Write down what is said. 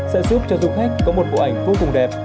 sẽ giúp cho du khách có một bộ ảnh vô cùng đẹp